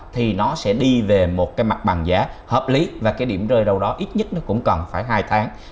thì nó sẽ đi về một cái mặt bằng giá hợp lý và cái điểm rơi đâu đó ít nhất nó cũng cần phải hai tháng